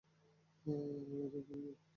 মেরেই ফেলমু তোরে।